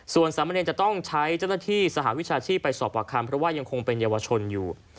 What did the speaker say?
ส่วนสามเณรจะต้องใช้เจ้าหน้าที่สหวิชาชีพไปสอบประคำเพราะว่ายังคงเป็นเยาวชนอยู่